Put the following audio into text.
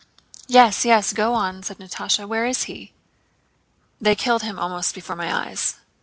"Yes, yes, go on!" said Natásha. "Where is he?" "They killed him almost before my eyes."